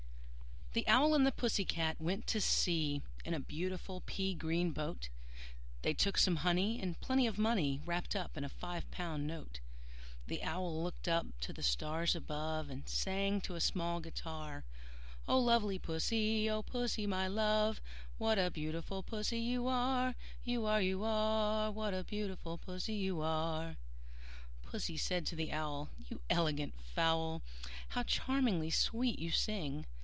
The Owl and the Pussy Cat went to sea In a beautiful pea green boat: They took some honey, and plenty of money Wrapped up in a five pound note. The Owl looked up to the stars above, And sang to a small guitar, "O lovely Pussy, O Pussy, my love, What a beautiful Pussy you are, You are, You are! What a beautiful Pussy you are!" II. Pussy said to the Owl, "You elegant fowl, How charmingly sweet you sing!